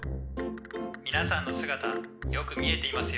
「みなさんの姿よく見えていますよ」。